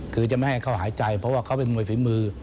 คือจะไม่ให้เขาหายใจเพราะว่าเขาเป็นมวยฝีมือ